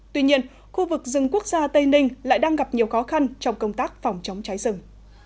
tuy nhiên khu vực rừng quốc gia tây ninh lại đang gặp nhiều khó khăn trong công tác phòng chống cháy rừng